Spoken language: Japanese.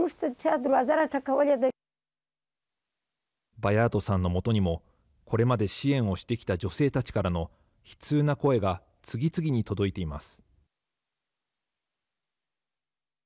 バヤートさんの元にもこれまで支援をしてきた女性たちからの悲痛な声が次々に届いています。